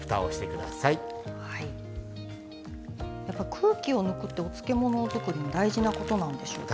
空気を抜くってお漬物は特に大事なことなんでしょうか。